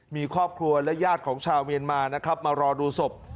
มีครอบครัวและญาติของชาวเมียนมานะครับมารอดูศพ